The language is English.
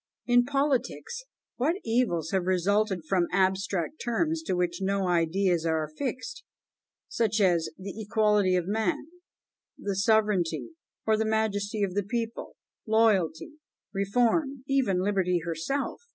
In politics, what evils have resulted from abstract terms to which no ideas are affixed, such as, "The Equality of Man the Sovereignty or the Majesty of the People Loyalty Reform even Liberty herself!